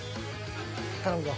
頼むぞ。